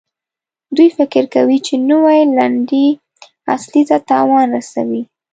دوی فکر کوي چې نوي لنډۍ اصلي ته تاوان رسوي.